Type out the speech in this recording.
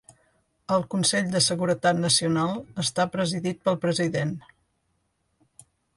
El Consell de Seguretat Nacional està presidit pel President.